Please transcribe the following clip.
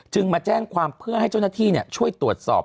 มาแจ้งความเพื่อให้เจ้าหน้าที่ช่วยตรวจสอบ